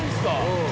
うん。